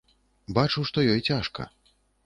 Бачу, што ёй цяжка.